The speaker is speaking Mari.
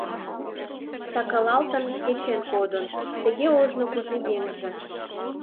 Сакалалтын, кечен кодын...» Тыге ожно кугу еҥже